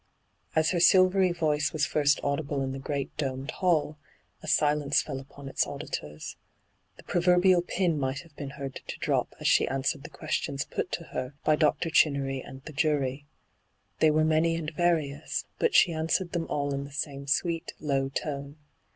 As her silvery voice was first audible in the great domed hall, a silence fell upon its auditors. The proverbial pin might have been heard to drop as she answered the ques tions put to her by Dr. Chinnery and the hyGoo>^lc ENTRAPPED 71 jury. They were many and various, but she answered them all in the same sweet, low tone.